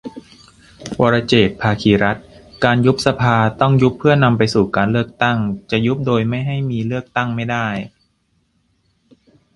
วรเจตน์ ภาคีรัตน์ : การยุบสภาต้องยุบเพื่อนำไปสู่การเลือกตั้ง จะยุบโดยไม่ให้มีเลือกตั้งไม่ได้